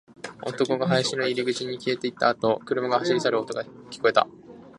男が林の入り口に消えていったあと、車が走り去る音が聞こえた